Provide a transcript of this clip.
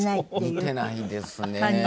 似てないですね